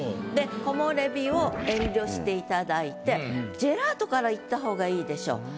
で木漏れ日を遠慮していただいて「ジェラート」からいった方がいいでしょ。